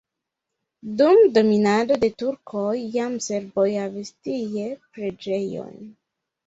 Dum dominado de turkoj jam serboj havis tie preĝejon.